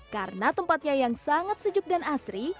karena tempatnya yang sangat sejuk dan asri